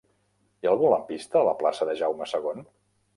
Hi ha algun lampista a la plaça de Jaume II?